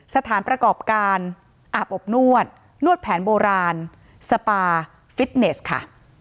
สถานประกอบการอาบอบนวดนวดแผนโบราณสปาฟิตเนสค่ะ